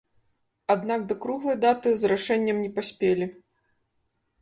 Аднак да круглай даты з рашэннем не паспелі.